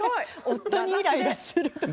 「夫にイライラする」と。